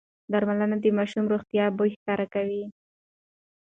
درملنه د ماشوم روغتيا بهتره کوي.